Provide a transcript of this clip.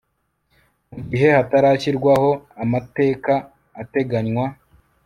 Mu gihe hatarashyirwaho amateka ateganywa